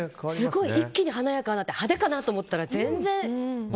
一気に華やかになって派手かなと思ったけど全然！